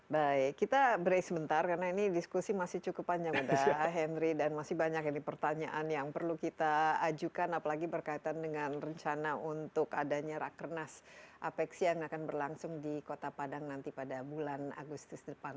baik kita break sebentar karena ini diskusi masih cukup panjang dan masih banyak ini pertanyaan yang perlu kita ajukan apalagi berkaitan dengan rencana untuk adanya rakernas apexi yang akan berlangsung di kota padang nanti pada bulan agustus depan